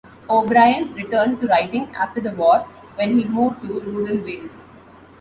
O'Brian returned to writing after the war, when he moved to rural Wales.